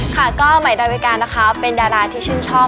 ค่ะก็ใหม่ดาวิกานะคะเป็นดาราที่ชื่นชอบ